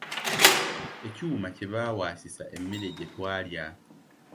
Ekyuma kye bawaasisa emmere gye twalya.